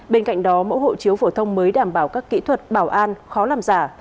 bên cạnh đó mẫu hộ chiếu phổ thông mới đảm bảo các kỹ thuật bảo an khó làm giả